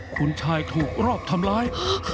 คุณชายถูกรอบทำร้าย